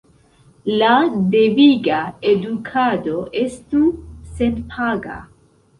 La deviga edukado estu senpaga.